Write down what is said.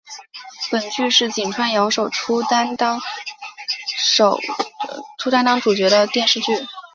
本剧是井川遥首出担当主角的电视剧。